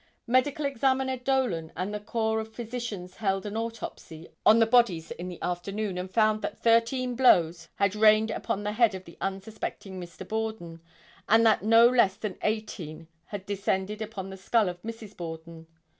Medical Examiner Dolan and a corps of physicians held an autopsy on the bodies in the afternoon and found that thirteen blows had rained upon the head of the unsuspecting Mr. Borden, and that no less than eighteen had descended upon the skull of Mrs. Borden.